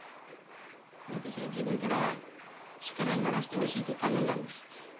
私は自分から力にならせてほしいと頼んだんです。